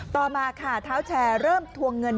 ต่อมาค่ะเท้าแชร์เริ่มทวงเงิน